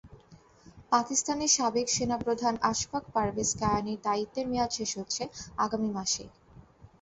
পাকিস্তানের সাবেক সেনাপ্রধান আশফাক পারভেজ কায়ানির দায়িত্বের মেয়াদ শেষ হচ্ছে আগামী মাসেই।